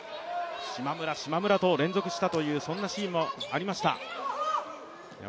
島村、島村と連続したというシーンもありました。